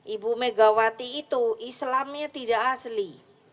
ibu megawati itu islamnya tidak asli